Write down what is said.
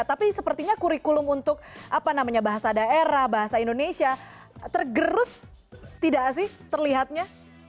tapi sepertinya kurikulum untuk apa namanya bahasa daerah bahasa indonesia tergerus tidak sih terlihatnya